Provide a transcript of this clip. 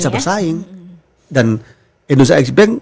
dan indonesia x bank